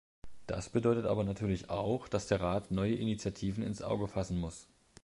Das bedeutet aber natürlich auch, dass der Rat neue Initiativen ins Auge fassen muss.